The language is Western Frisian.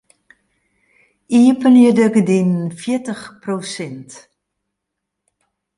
Iepenje de gerdinen fjirtich prosint.